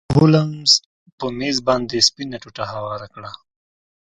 هولمز په میز باندې سپینه ټوټه هواره کړه.